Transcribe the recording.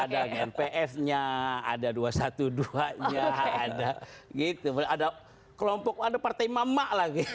ada gnpf nya ada dua ratus dua belas nya ada kelompok ada partai mama lagi